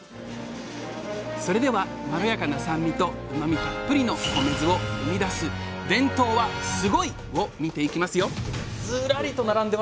それではまろやかな酸味とうまみたっぷりの米酢を生み出す伝統はスゴイ！を見ていきますよ